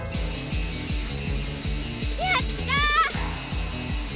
やった！